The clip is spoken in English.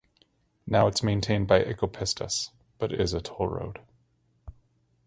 Now it's maintained by Ecopistas, but is a toll road.